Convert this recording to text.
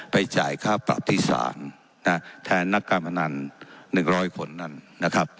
ไปจ่ายค่าปรับที่ศาลนะแทนนักการพนันหนึ่งร้อยคนนั้นนะครับ